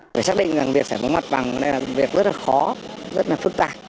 phải xác định rằng việc giải phóng mặt bằng này là việc rất là khó rất là phức tạp